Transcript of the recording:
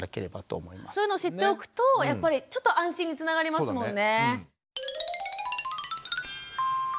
そういうのを知っておくとやっぱりちょっと安心につながりますもんね。